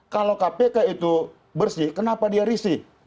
kalau kpk itu bersih kenapa dia risih